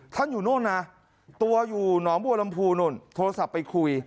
อยู่นู่นนะตัวอยู่หนองบัวลำพูนู่นโทรศัพท์ไปคุย